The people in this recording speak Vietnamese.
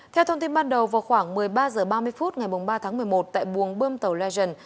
theo thông tin ban đầu vào khoảng một mươi ba h ba mươi phút ngày ba tháng một mươi một tại buồng bơm tàu legend